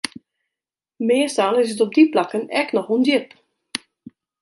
Meastal is it op dy plakken ek noch ûndjip.